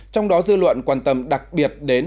trong đó dư luận quan tâm đặc biệt đến